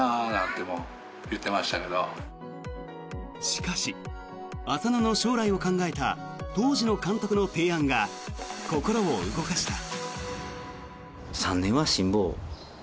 しかし浅野の将来を考えた当時の監督の提案が心を動かした。